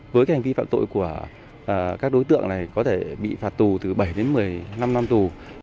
với hành vi phạm tội của các đối tượng này có thể bị phạt tù từ bảy đến một mươi năm năm tù